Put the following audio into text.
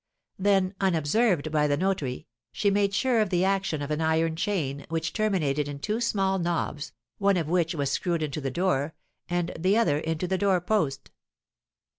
Then, unobserved by the notary, she made sure of the action of an iron chain, which terminated in two small knobs, one of which was screwed into the door, and the other into the door post.